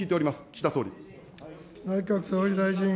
岸田総理。